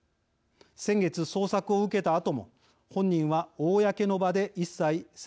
先月捜索を受けたあとも本人は公の場で一切説明していません。